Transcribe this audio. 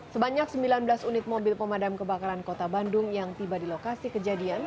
sebanyak sembilan belas unit mobil pemadam kebakaran kota bandung yang tiba di lokasi kejadian